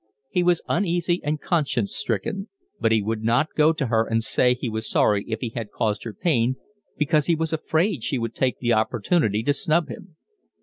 He was uneasy and conscience stricken; but he would not go to her and say he was sorry if he had caused her pain, because he was afraid she would take the opportunity to snub him.